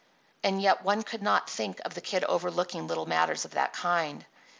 And yet one could not think of the Kid overlooking little matters of that kind.